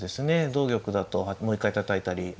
同玉だともう一回たたいたり何か。